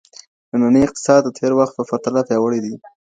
نننی اقتصاد د تیر وخت په پرتله پیاوړی دی.